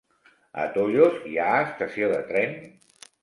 A Tollos hi ha estació de tren?